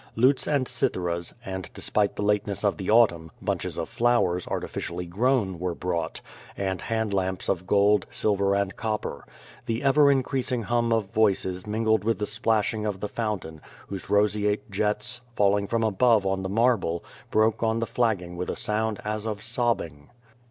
Lutes and citheras, and despite the lateness of the autumn, bunches of flowers artificially grown were brought, and hand lamps of gold, silver and copper. The ever in creasing hum of voices mingled with the splashing of the fountain, whose roseate jets, falling from above on the mar ble, broke on the flagging with a sound as of sobbing.